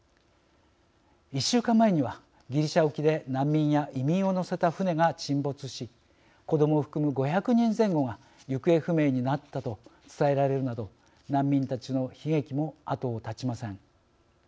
１週間前には、ギリシャ沖で難民や移民を乗せた船が沈没し子どもを含む５００人前後が行方不明になったと伝えられるなど難民たちの悲劇も後を絶ちません。